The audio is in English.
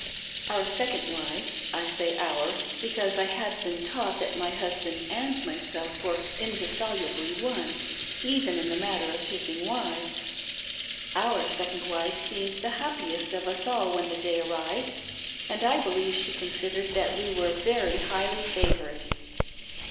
Our second wife; — I say "our" because I had beer^ taught that my husband and myself were indissolubly one, even in the matter of taking wives ;—" our " second wife seemed the happiest of us all when the day arrived, and I believe she con sidered that we were very highly favored.